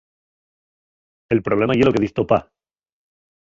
El problema ye lo que diz to pá.